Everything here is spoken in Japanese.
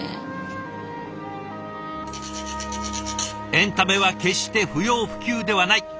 エンタメは決して不要不急ではない。